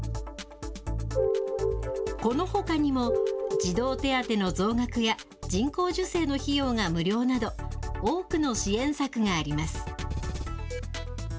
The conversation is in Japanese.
このほかにも、児童手当の増額や人工授精の費用が無料など、多くの支援策があります。